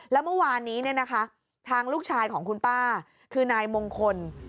แล้วเมื่อวานนี้ทางลูกชายของคุณป้าคือนายมงคล